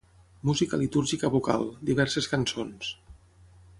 Música litúrgica vocal, diverses cançons.